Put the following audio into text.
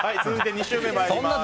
２周目に参ります。